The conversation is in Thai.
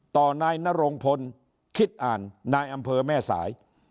นายนรงพลคิดอ่านนายอำเภอแม่สาย